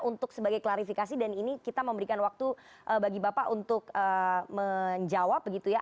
untuk sebagai klarifikasi dan ini kita memberikan waktu bagi bapak untuk menjawab begitu ya